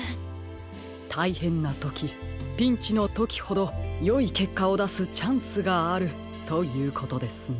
たいへんなときピンチのときほどよいけっかをだすチャンスがあるということですね。